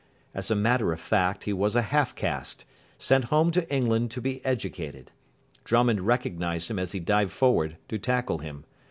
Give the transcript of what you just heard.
As a matter of fact he was a half caste, sent home to England to be educated. Drummond recognised him as he dived forward to tackle him.